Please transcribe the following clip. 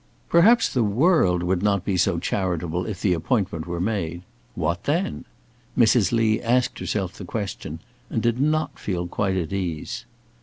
Perhaps the world would not be so charitable if the appointment were made. What then? Mrs. Lee asked herself the question and did not feel quite at ease.